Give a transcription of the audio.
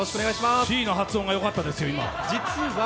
Ｃの発音が今、よかったですよ。